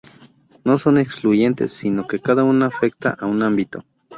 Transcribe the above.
No son excluyentes, si no que cada una afecta a un ámbito.